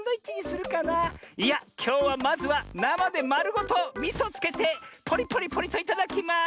いやきょうはまずはなまでまるごとみそつけてポリポリポリといただきます！